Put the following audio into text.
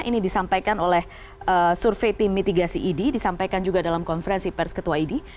ini disampaikan oleh survei tim mitigasi idi disampaikan juga dalam konferensi pers ketua idi